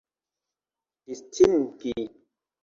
distingi